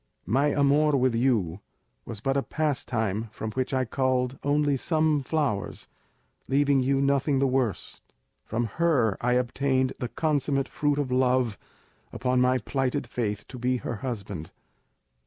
My amour with you was but a pastime from which I culled only some flowers, leaving you nothing the worse; from her I obtained the consummate fruit of love upon my plighted faith to be her husband.